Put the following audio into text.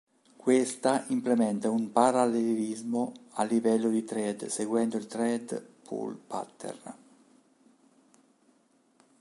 Questa implementa un parallelismo a livello di thread seguendo il thread pool pattern.